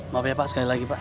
bapak ya pak sekali lagi pak